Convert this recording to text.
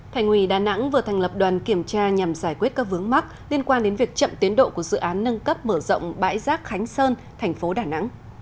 thành ủy đà nẵng vừa thành lập đoàn kiểm tra nhằm giải quyết các vướng mắc liên quan đến việc chậm tiến độ của dự án nâng cấp mở rộng bãi rác khánh sơn thành phố đà nẵng